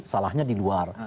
salahnya di luar